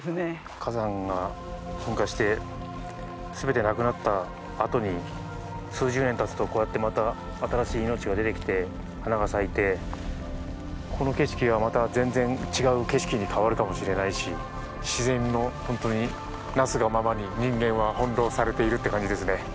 火山が噴火して、全てなくなったあとに数十年たつと、こうやってまた新しい命が出てきて、花が咲いてこの景色がまた全然、違う景色に変わるかもしれないし自然の本当になすがままに、人間は翻弄されているという感じですね。